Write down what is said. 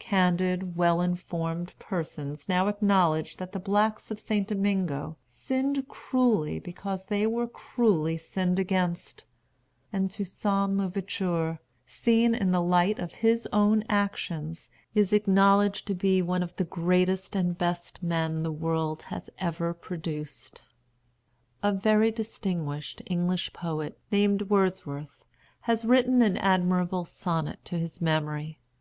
Candid, well informed persons now acknowledge that the blacks of St. Domingo sinned cruelly because they were cruelly sinned against; and Toussaint l'Ouverture, seen in the light of his own actions, is acknowledged to be one of the greatest and best men the world has ever produced. A very distinguished English poet, named Wordsworth, has written an admirable sonnet to his memory.